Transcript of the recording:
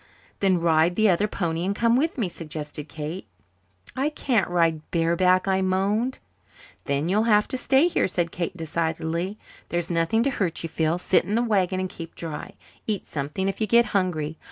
"Then ride the other pony and come with me," suggested Kate. "I can't ride bareback," I moaned. "Then you'll have to stay here," said Kate decidedly. "There's nothing to hurt you, Phil. Sit in the wagon and keep dry. Eat something if you get hungry.